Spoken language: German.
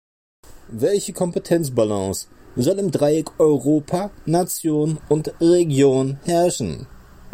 Welche Kompetenz-Balance soll im Dreieck Europa, Nation und Region herrschen?